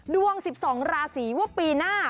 ดวง๑๒ราศีว่าปีหน้า